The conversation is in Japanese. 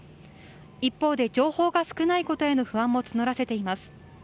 一方で情報が少ないことへの不安も募らせています。